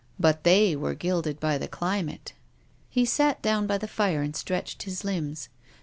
But they were gilded by the climate." He sat down by the fire and stretched his limbs.